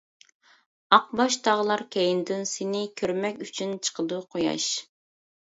ئاقباش تاغلار كەينىدىن سىنى، كۆرمەك ئۈچۈن چىقىدۇ قۇياش.